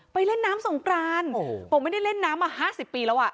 เล่นน้ำสงกรานผมไม่ได้เล่นน้ำมา๕๐ปีแล้วอ่ะ